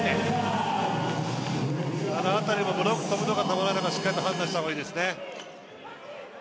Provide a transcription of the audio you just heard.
あの辺りもブロック跳ぶのか跳ばないのか、しっかりと判断した方がいいですね。